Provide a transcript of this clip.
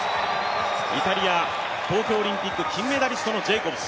イタリア、東京オリンピック金メダリストのジェイコブス。